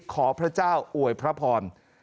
พระเจ้าอวยพระพร